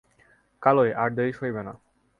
কালই, আর দেরি সইবে না।